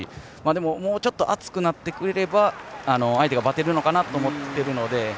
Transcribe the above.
でももうちょっと暑くなってくれれば相手がばてるのかなと思っているので。